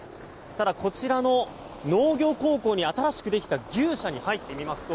ただ、こちらの農業高校に新しくできた牛舎に入ってみますと。